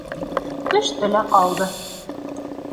— Төштө лә ҡалды.